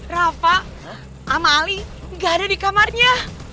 rafa sama ali gak ada di kamarnya